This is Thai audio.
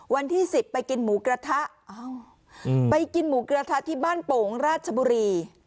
วันที่๑๐ไปกินหมูกระทะไปกินหมูกระทะที่บ้านโป่งราชบุรี